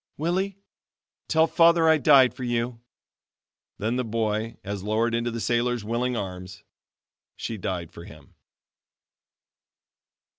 "Willie, tell Father I died for you!" Then the boy as lowered into the sailor's willing arms. She died for him.